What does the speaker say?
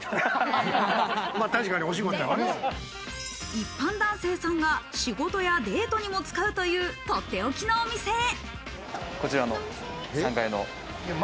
一般男性さんが仕事やデートにも使うというとっておきの店へ。